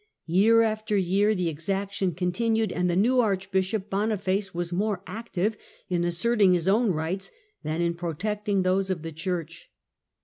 Year after year the exaction continued, and the new archbishop Boniface was more active in asserting his own rights than in protecting those of the church.